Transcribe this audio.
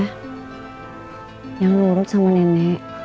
jangan nurut sama nenek